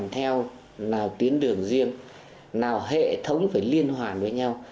theo là tuyến đường riêng nào hệ thống phải liên hoàn với nhau